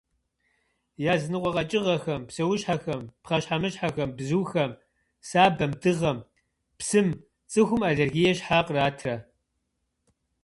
Языныкъуэ къэкӏыгъэхэм, псэущхьэхэм, пхъэщхьэмыщхьэхэм, бзухэм, сабэм, дыгъэм, псым цӏыхум аллергие щхьэ къратрэ?